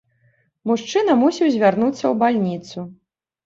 Мужчына мусіў звярнуцца ў бальніцу.